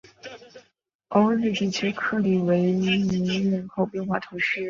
欧日地区克里克维勒人口变化图示